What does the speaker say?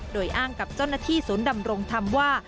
โดยอ้างกับเจ้าหน้าที่ศูนย์ดำรงธรรมว่า